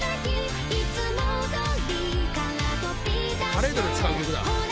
「パレードで使う曲だ」